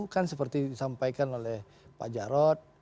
kan seperti disampaikan oleh pak jarod